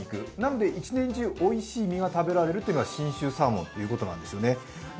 なので一年中おいしい身が食べられるのが信州サーモンということなんですね。